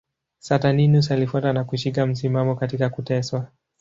Saturninus alifuata na kushika msimamo katika kuteswa.